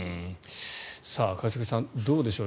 一茂さん、どうでしょう。